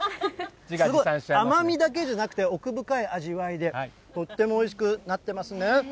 すごい甘みだけじゃなくて、奥深い味わいで、とってもおいしくなってますね。